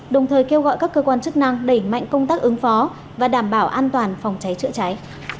đồng thời kêu gọi các cơ quan chức năng đẩy mạnh công tác ứng phó và đảm bảo an toàn phòng cháy chữa cháy